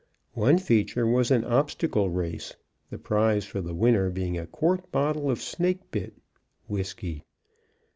One feature was an obstacle race, the prize for the winner being a quart bottle of snake bit (whiskey).